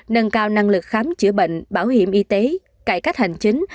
nâng cao năng lực khám chữa bệnh bảo hiểm y tế cải cách hành chính